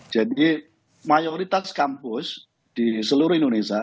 jadi mayoritas kampus di seluruh indonesia